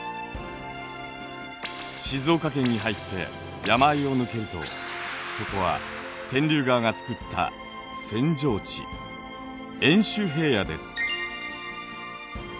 静岡県に入って山あいを抜けるとそこは天竜川が作った扇状地遠州平野です。